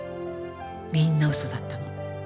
みんな嘘だったの。